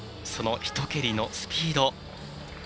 そのひと蹴りのスピード。